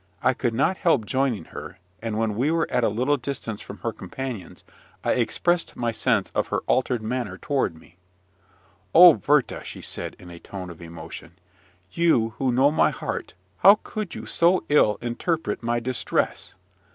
I could not help joining her; and, when we were at a little distance from her companions, I expressed my sense of her altered manner toward me. "O Werther!" she said, in a tone of emotion, "you, who know my heart, how could you so ill interpret my distress?